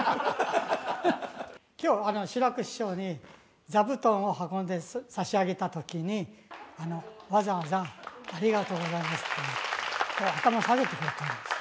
きょう、志らく師匠に座布団を運んで差し上げたときに、わざわざ、ありがとうございますってね、頭下げてくださったんです。